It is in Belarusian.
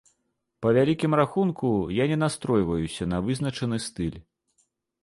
Па вялікім рахунку, я не настройваюся на вызначаны стыль.